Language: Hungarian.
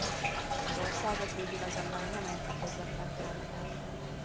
Az országot végül azonban nem érte közvetlen támadás.